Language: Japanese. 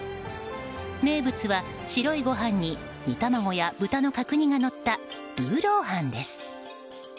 名物は白いご飯に煮卵や豚の角煮がのったルーロー飯です。